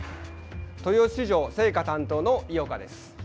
豊洲市場青果担当の井岡です。